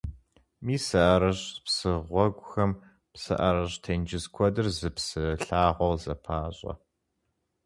Мис а ӀэрыщӀ псы гъуэгухэм псы ӀэрыщӀ, тенджыз куэдыр зы псы лъагъуэу зэпащӀэ.